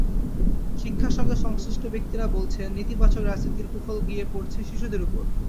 শিক্ষার সঙ্গে সংশ্লিষ্ট ব্যক্তিরা বলছেন, নেতিবাচক রাজনীতির কুফল গিয়ে পড়েছে শিশুদের ওপর।